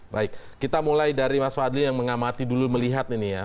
baik kita mulai dari mas fadli yang mengamati dulu melihat ini ya